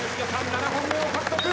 ７本目を獲得。